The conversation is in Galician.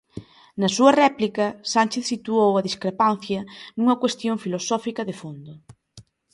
Na súa réplica, Sánchez situou a discrepancia nunha cuestión filosófica de fondo.